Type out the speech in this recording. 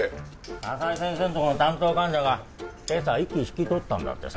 佐々井先生のところの担当患者が今朝息引き取ったんだってさ。